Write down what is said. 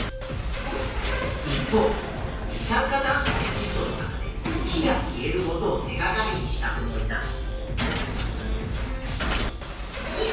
一方二酸化炭素とちっ素の中で火が消えることを手がかりにした子もいた。